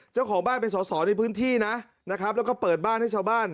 เจ้าของบ้านเป็นสอสอในพื้นที่นะนะครับแล้วก็เปิดบ้านให้ชาวบ้าน